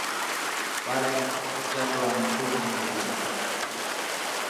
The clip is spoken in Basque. Barents itsasoan isurtzen du ura.